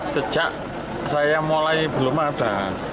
sejak saya mulai belum ada